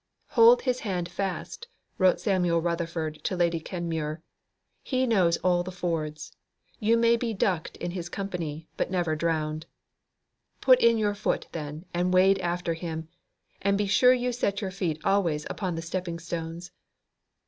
"Hold His hand fast," wrote Samuel Rutherford to Lady Kenmure. "He knows all the fords. You may be ducked in His company but never drowned. Put in your foot, then, and wade after Him. And be sure you set your feet always upon the stepping stones."